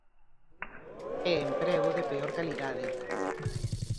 E emprego de peor calidade.